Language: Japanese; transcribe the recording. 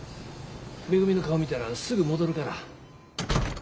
めぐみの顔見たらすぐ戻るから。